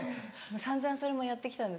散々それもやって来たんです。